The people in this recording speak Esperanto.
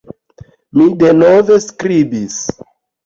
Mi denove skribis.